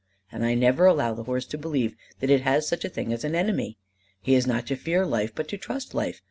And I never allow the horse to believe that it has such a thing as an enemy. He is not to fear life, but to trust life.